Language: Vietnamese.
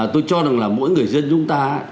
tôi cho rằng là mỗi người dân chúng ta